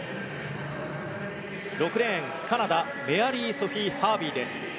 ６レーン、カナダメアリー・ソフィー・ハービーです。